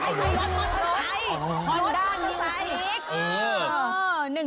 ให้ดูรสมอเตอร์ไซค์